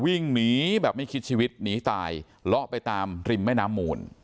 วิ่งหนีแบบไม่คิดชีวิตหนีตายเลาะไปตามริมแม่น้ำมูล